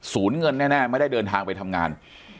เงินแน่ไม่ได้เดินทางไปทำงาน